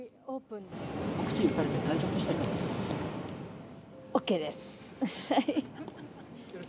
ワクチン打たれて大丈夫でしＯＫです。